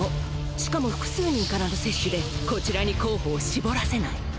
しかも複数人からの摂取でこちらに候補を絞らせない！